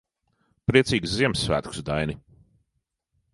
Priecīgus Ziemassvētkus, Daini.